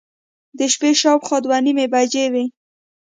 د شپې شاوخوا دوه نیمې بجې وې.